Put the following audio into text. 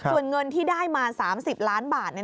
ส่วนเงินที่ได้มา๓๐ล้านบาท